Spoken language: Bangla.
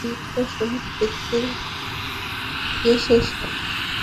শোভাযাত্রাটি জাহানপুর বাজারে শহীদ সিধু-কানুর স্মরণে নির্মিত শহীদবেদিতে গিয়ে শেষ হয়।